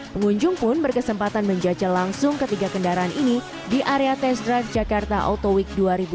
pengunjung pun berkesempatan menjajal langsung ketiga kendaraan ini di area test drive jakarta auto week dua ribu dua puluh